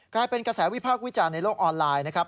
กลายเป็นกระแสวิพากษ์วิจารณ์ในโลกออนไลน์นะครับ